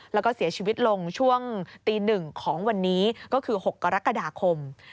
แล้วก็เสียชีวิตลงช่วงตี๑ของวันนี้ก็คือ๖กรกฎาคม